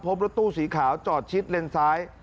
พบรถตู้สีขาวจอดชิดเลนซ้าย